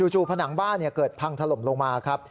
ผนังบ้านเกิดพังถล่มลงมาครับ